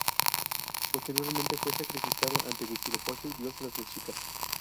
Posteriormente fue sacrificado ante Huitzilopochtli, dios de los mexicas.